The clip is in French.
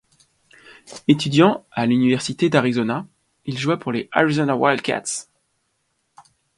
Étudiant à l'Université d'Arizona, il joua pour les Arizona Wildcats.